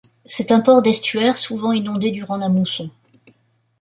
C'est un port d'estuaire, souvent inondé durant la mousson.